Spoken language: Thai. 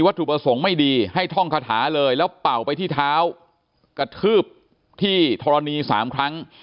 ถูกประสงค์ไม่ดีให้ท่องคาถาเลยแล้วเป่าไปที่เท้ากระทืบที่ธรณีสามครั้ง